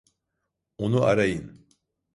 Onu arayın.